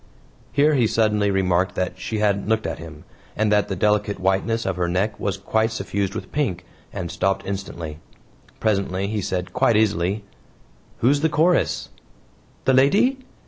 Here he suddenly remarked that she hadn't looked at him, and that the delicate whiteness of her neck was quite suffused with pink, and stopped instantly. Presently he said quite easily: "Who's the chorus?" "The lady?"